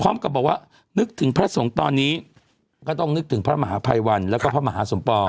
พร้อมกับบอกว่านึกถึงพระสงฆ์ตอนนี้ก็ต้องนึกถึงพระมหาภัยวันแล้วก็พระมหาสมปอง